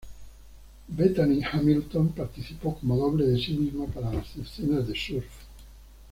Bethany Hamilton participó como doble de sí misma para las escenas de surf.